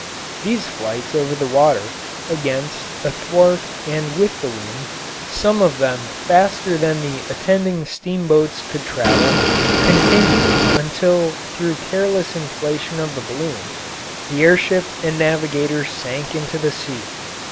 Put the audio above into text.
These flights over the water, against, athwart, and with the wind, some of them faster than the attending steamboats could travel, continued until through careless inflation of the balloon the air ship and navigator sank into the sea.